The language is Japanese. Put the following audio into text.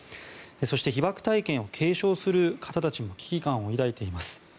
そして、被爆体験を継承する方たちも危機感を抱いています。